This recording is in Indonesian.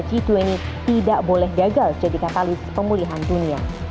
g dua puluh tidak boleh gagal jadi katalis pemulihan dunia